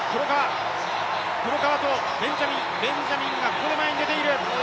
黒川とベンジャミンベンジャミンがここで前に出ている。